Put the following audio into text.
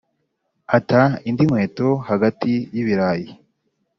ata indi nkweto hagati y'ibirayi.